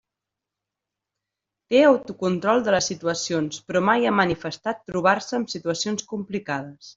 Té autocontrol de les situacions però mai ha manifestat trobar-se amb situacions complicades.